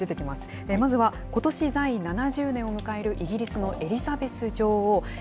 まずは、ことし在位７０年を迎えるイギリスのエリザベス女王。